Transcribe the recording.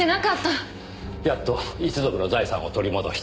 やっと一族の財産を取り戻した。